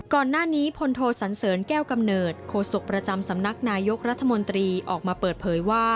ก่อนหน้านี้พลโทสันเสริญแก้วกำเนิดโคศกประจำสำนักนายกรัฐมนตรีออกมาเปิดเผยว่า